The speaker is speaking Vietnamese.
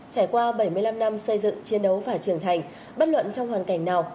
trải qua bảy mươi năm năm xây dựng chiến đấu và trưởng thành bất luận trong hoàn cảnh nào